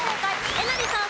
えなりさん